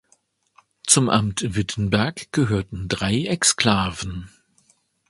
Zum Amt Wittenberg gehörten drei Exklaven.